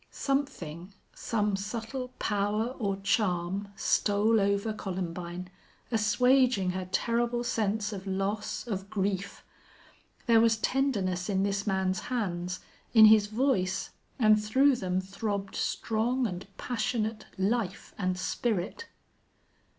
Something, some subtle power or charm, stole over Columbine, assuaging her terrible sense of loss, of grief. There was tenderness in this man's hands, in his voice, and through them throbbed strong and passionate life and spirit.